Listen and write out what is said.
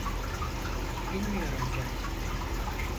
Bilmiyorum canım.